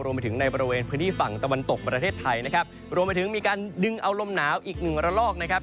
รวมไปถึงในบริเวณพื้นที่ฝั่งตะวันตกประเทศไทยนะครับรวมไปถึงมีการดึงเอาลมหนาวอีกหนึ่งระลอกนะครับ